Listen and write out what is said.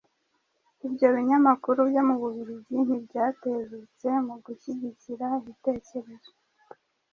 Ibyo binyamakuru byo mu Bubiligi ntibyatezutse mu gushyigikira ibitekerezo